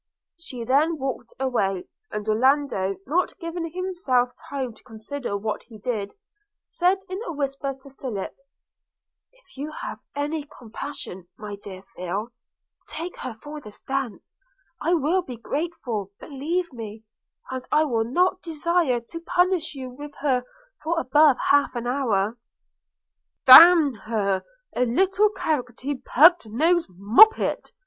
She then walked away; and Orlando, not giving himself time to consider what he did, said in a whisper to Philip – 'If you have any compassion, my dear Phil, take her for this dance – I will be grateful, believe me, and I will not desire to punish you with her above half an hour.' 'D n her, a little carroty, pug nosed moppet!'